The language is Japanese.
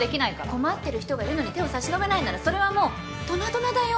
困ってる人がいるのに手を差し伸べないならそれはもうドナドナだよ。